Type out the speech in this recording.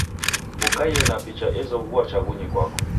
Kukaie na picha ezoghua chaghunyi kwako.